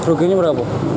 kerugiannya berapa pak